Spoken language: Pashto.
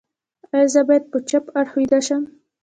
ایا زه باید په چپ اړخ ویده شم؟